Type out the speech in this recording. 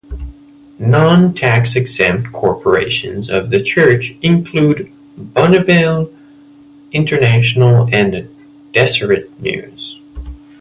Non-tax-exempt corporations of the church include Bonneville International and the Deseret News.